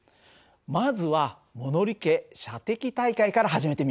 まずは物理家射的大会から始めてみようか。